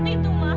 kalau aku bukan